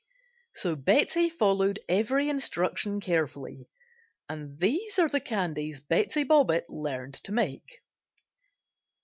So Betsey followed every instruction carefully and these are the candies "Betsey Bobbitt" learned to make.